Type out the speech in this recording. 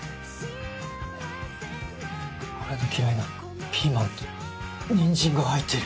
俺の嫌いなピーマンとニンジンが入ってる。